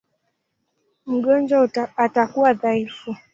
Mgonjwa atakuwa dhaifu.